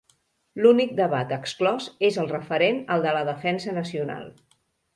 L'únic debat exclòs és el referent al de la defensa nacional.